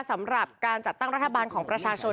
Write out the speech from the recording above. สำหรับการจัดตั้งรัฐบาลของประชาชน